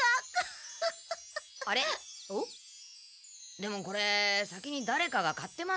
でもこれ先にだれかが買ってます。